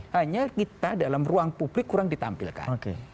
hanya kita dalam ruang publik kurang ditampilkan